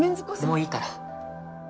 もういいから。